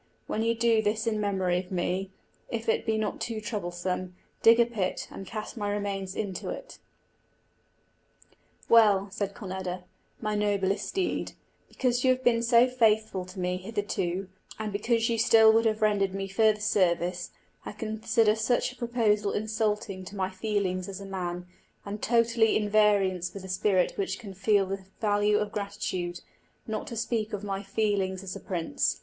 When you do this in memory of me, if it be not too troublesome, dig a pit, and cast my remains into it." "Well," said Conn eda, "my noblest steed, because you have been so faithful to me hitherto, and because you still would have rendered me further service, I consider such a proposal insulting to my feelings as a man, and totally in variance with the spirit which can feel the value of gratitude, not to speak of my feelings as a prince.